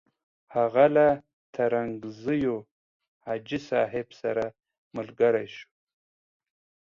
هغه له ترنګزیو حاجي صاحب سره ملګری شو.